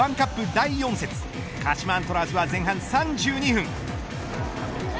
第４節鹿島アントラーズは前半３２分。